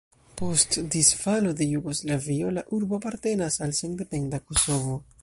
Post disfalo de Jugoslavio la urbo apartenas al sendependa Kosovo.